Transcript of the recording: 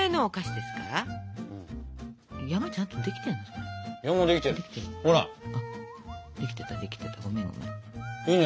できてたできてたごめんごめん。